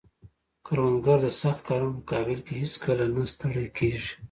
کروندګر د سخت کارونو په مقابل کې هیڅکله نه ستړی کیږي